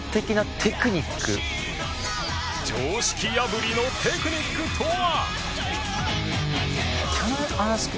常識破りのテクニックとは！？